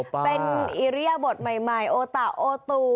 เป็นอิริยบทใหม่โอตะโอตู